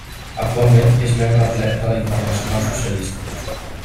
Actualment és membre ple de la Internacional Socialista.